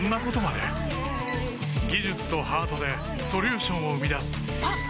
技術とハートでソリューションを生み出すあっ！